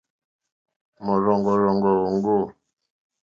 Mɔ̀rzɔ̀ŋɡɔ̀rzɔ̀ŋɡɔ̀ òŋɡô.